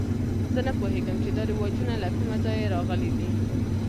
زه نه پوهېږم چې دا رواجونه له کومه ځایه راغلي.